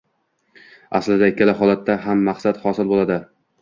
Aslida ikkala holatda ham maqsad hosil bo‘ladi.